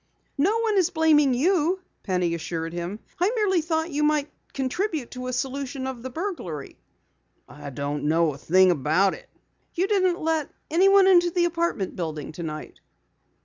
"No one is blaming you," Penny assured him. "I merely thought you might contribute to a solution of the burglary." "I don't know a thing about it." "You didn't let anyone into the apartment building tonight?"